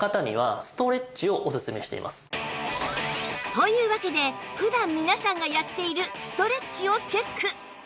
というわけで普段皆さんがやっているストレッチをチェック